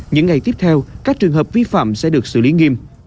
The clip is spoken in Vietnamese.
những ngày tiếp theo các trường hợp vi phạm sẽ được xử lý nghiêm